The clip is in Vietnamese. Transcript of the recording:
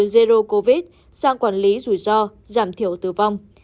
zero covid sang quản lý rủi ro giảm thiểu tử vong